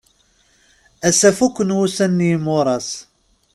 Ass-a fuken wussan n yimuṛas.